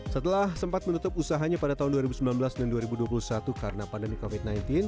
setelah sempat menutup usahanya pada tahun dua ribu sembilan belas dan dua ribu dua puluh satu karena pandemi covid sembilan belas